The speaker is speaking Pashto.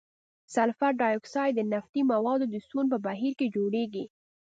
سلفر ډای اکساید د نفتي موادو د سون په بهیر کې جوړیږي.